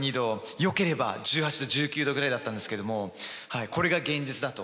よければ１８℃１９℃ぐらいだったんですけれどもこれが現実だと。